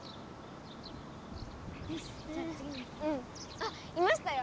あっいましたよ。